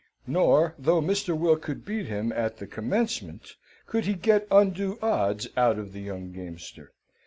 Nor, though Mr. Will could beat him at the commencement, could he get undue odds out of the young gamester.